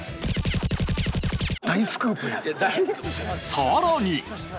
さらに